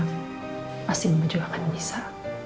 pasti mama juga akan bisa